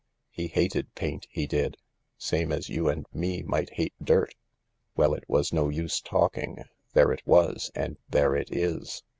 He hated paint, he did *i same as you and me might hate dirt. Well, it was no use talking. There it was, and there it is.